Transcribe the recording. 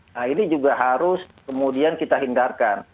nah ini juga harus kemudian kita hindarkan